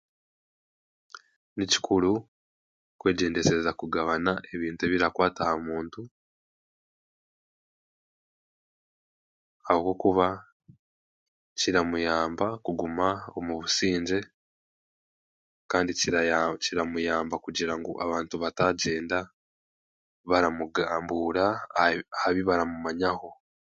Ni kikuru kwegyendesereza kugabana ebintu ebirakwata aha muntu ahabwokuba kiramuyamba kuguma omu busingye kandi kiraya kiramuyamba kugira abantu bataagyenda baramugaambura aha bi aha bibaramumanyaho